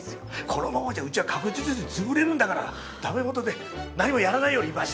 このままじゃうちは確実に潰れるんだから駄目元で何もやらないよりましだろ！